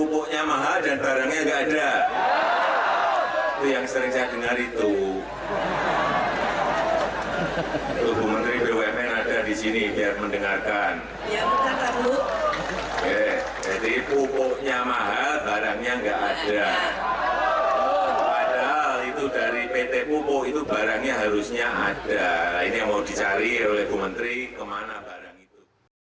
pertama sekali itu dari pt pupuk itu barangnya harusnya ada ini yang mau dicari oleh bumn rini kemana barang itu